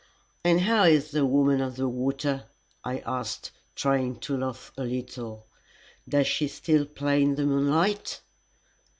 "And how is the Woman of the Water?" I asked, trying to laugh a little. "Does she still play in the moonlight?"